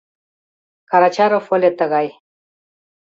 Карачаров ыле тыгай.